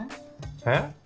えっ？